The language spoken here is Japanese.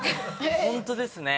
ホントですね。